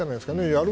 やる